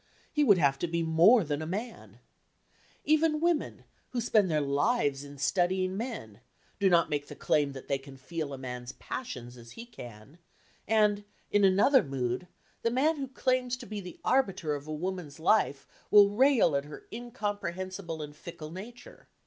He would have to be more than man! Even women, who spend their lives in studying men, do not make the claim that they can feel a man's passions as he can; and, in another mood, the man who claims to be the arbiter of a woman's life will rail at her incomprehensible and fickle nature.